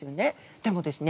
でもですね